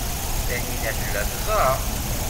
Taninna tella teẓra.